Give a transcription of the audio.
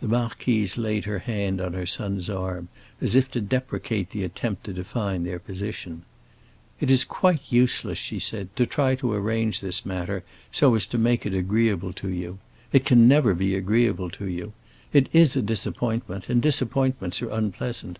The marquise laid her hand on her son's arm, as if to deprecate the attempt to define their position. "It is quite useless," she said, "to try and arrange this matter so as to make it agreeable to you. It can never be agreeable to you. It is a disappointment, and disappointments are unpleasant.